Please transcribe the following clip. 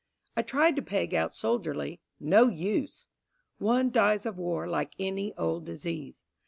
I tried to peg out soldierly no use! One dies of war like any old disease.